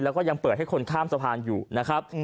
แล้วก็ยังเปิดให้คนข้ามสะพานอยู่นะครับ